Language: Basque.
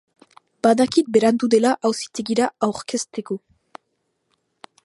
Badakit berandu dela auzitegira aurkezteko.